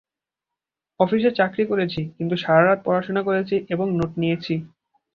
অফিসে চাকরি করেছি, কিন্তু সারা রাত পড়াশোনা করেছি এবং নোট নিয়েছি।